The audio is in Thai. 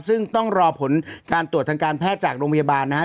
ซึ่งต้องรอผลการตรวจทางการแพทย์จากโรงพยาบาลนะครับ